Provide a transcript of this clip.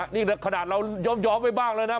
นี่ขนาดเราย้อมไว้บ้างแล้วนะ